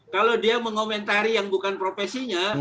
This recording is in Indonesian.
kalau dia mengomentari yang bukan profesinya